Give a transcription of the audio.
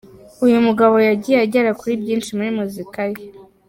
Uyu mugabo yagiye agera kuri byinshi muri muzika ye.